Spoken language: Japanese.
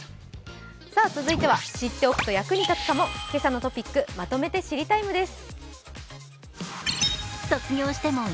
続いては、知っておくと役に立つかも「けさのトピックまとめて知りＴＩＭＥ，」です。